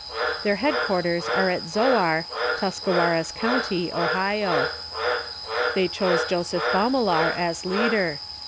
Their headquarters are at Zoar, Tuscarawas County, Ohio. They chose Joseph Baumeler as leader.